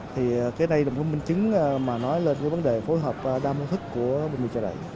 thì cái này là một bức minh chứng mà nói lên cái vấn đề phối hợp đa mô thức của bệnh viện trợ đẩy